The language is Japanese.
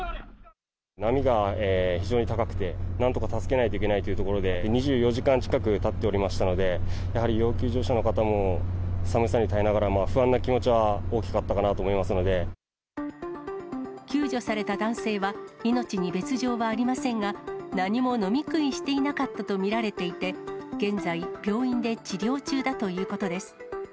波が非常に高くて、なんとか助けないといけないというところで、２４時間近くたっておりましたので、やはり要救助者の方も寒さに耐えながら、不安な気持ちは大きかっ救助された男性は命に別状はありませんが、何も飲み食いしていなかったと見られていて、現在、病院で治療中だということです。